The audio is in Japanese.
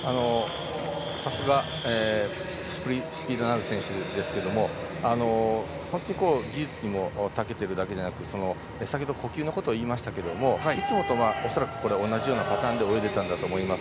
さすがスピードのある選手ですけれども本当に技術にもたけているだけじゃなく先ほど、呼吸のことを言いましたけどもいつもと恐らく同じようなパターンで泳いでいたんだと思います。